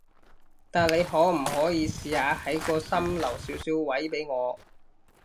但你可唔可以試下喺個心留少少位畀我？